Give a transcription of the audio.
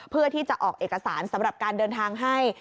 เพื่อที่จะออกเอกสารสำหรับการเดินทางให้